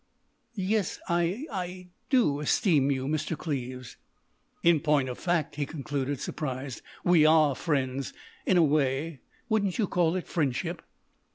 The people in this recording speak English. "Yes. I—I do esteem you, Mr. Cleves." "In point of fact," he concluded, surprised, "we are friends—in a way. Wouldn't you call it—friendship?"